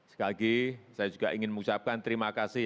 sekali lagi saya juga ingin mengucapkan terima kasih